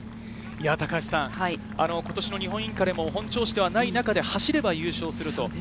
高橋さん、今年の日本インカレも本調子ではない中で、走れば優勝すると。